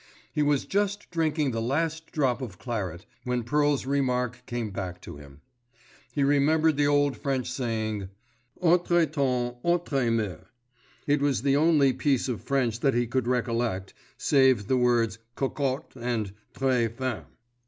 He was just drinking the last drop of claret, when Pearl's remark came back to him. He remembered the old French saying "autre temps, autre moeurs." It was the only piece of French that he could recollect, save the words "cocotte" and "très femme."